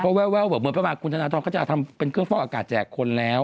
เพราะแววเหมือนเมื่อมาคุณธนาธรรมก็จะทำเป็นเครื่องฟอกอากาศแจกคนแล้ว